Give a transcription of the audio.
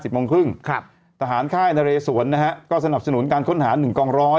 โมงครึ่งครับทหารค่ายนเรสวนนะฮะก็สนับสนุนการค้นหาหนึ่งกองร้อย